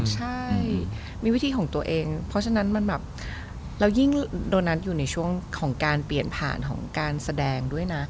ใช่มีวิธีของตัวเองเพราะฉะนั้นมันแบบแล้วยิ่งโดนัทอยู่ในช่วงของการเปลี่ยนผ่านของการแสดงด้วยนะ